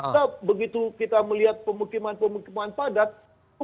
karena begitu kita melihat pemukiman pemukiman padat